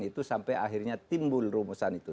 itu sampai akhirnya timbul rumusan itu